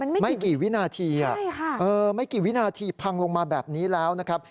ไม่กี่วินาทีไม่กี่วินาทีพังลงมาแบบนี้แล้วนะครับ